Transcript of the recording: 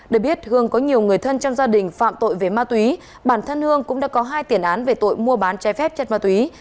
để biết hương có nhiều người thân trong gia đình phạm tội về ma túy bản thân hương cũng đã có hai tiền án về tội mua bán trái phép chất ma túy